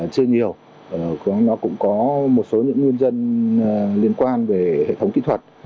chưa nhiều nó cũng có một số những nhân dân liên quan về hệ thống kỹ thuật